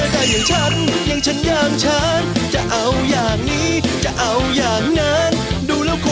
พ่อผิดไปแล้วลูก